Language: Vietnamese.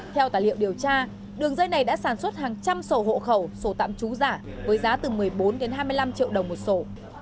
theo tài liệu điều tra đường dây này đã sản xuất hàng trăm sổ hộ khẩu sổ tạm trú giả với giá từ một mươi bốn đến hai mươi năm triệu đồng một sổ